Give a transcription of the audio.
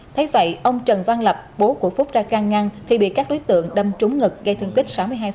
thấy vậy ông trần văn lập bố của phúc ra căng ngăn khi bị các đối tượng đâm trúng ngực gây thân tích sáu mươi hai